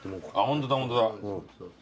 ホントだホントだ。